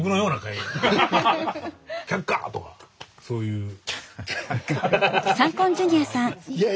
そういう。